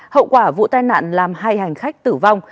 hậu quả vụ tai nạn làm hai hành khách tử vong